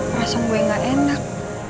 rasanya gue gak enak